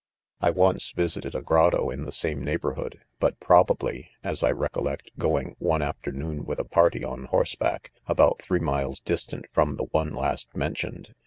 I once visited a grotto in the same neighbourhood, but probably (as I recollect going, one afternoon with a party on horseback,) about three miles distant from the one last mentioned.